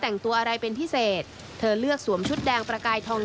แต่งตัวอะไรเป็นพิเศษเธอเลือกสวมชุดแดงประกายทอง